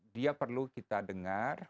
dia perlu kita dengar